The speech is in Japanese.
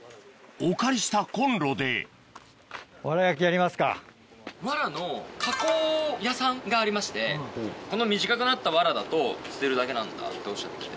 お借りしたコンロでワラの加工屋さんがありましてこの短くなったワラだと捨てるだけなんだとおっしゃって。